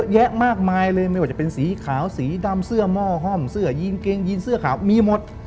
ยินเสื้อขาวมีหมด